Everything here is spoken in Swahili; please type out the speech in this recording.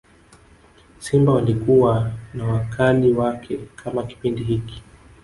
simba walikuwa na wakali wake kama Kipindi hiki